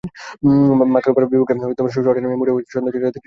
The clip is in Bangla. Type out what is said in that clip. মাকারোভার বিপক্ষে কোর্টে নেমে মোটেও স্বচ্ছন্দ ছিলেন না তৃতীয় বাছাই আজারেঙ্কা।